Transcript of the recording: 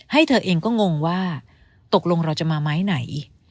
เธอเองก็งงว่าตกลงเราจะมาไม้ไหน